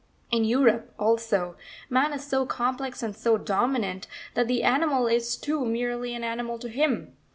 In Europe, also, man is so complex and so dominant, that the animal is too merely an animal to him.